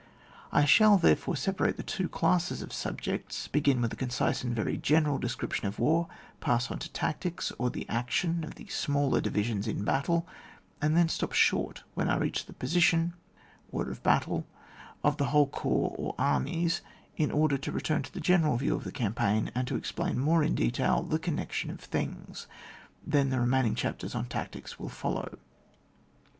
I shall, therefore, separate the two classes of subjects ; begin with a concise and very general description of war, pass on to tactics, or the action of the smaller divisions in battle, and then stop short when I reach the position (order of battle) of whole corps or armies, in order to return to the general view of the campaign, and to explain more in detail the connection of thmgs ; then the remaining chapters on tactics will follow.